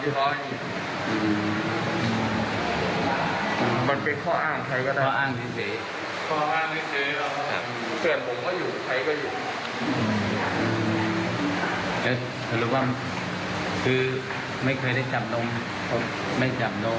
ไม่จำนมไม่ได้จำนมแล้วก็ไม่เคยมีเรื่องกัน